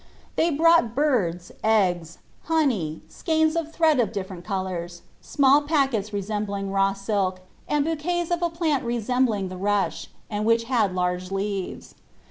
They brought birds, eggs, honey, skeins of thread of different colours, small packets resembling raw silk, and bouquets of a plant resembling the rush, and which had large leaves.